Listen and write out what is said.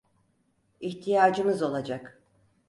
İhtiyacımız olacak.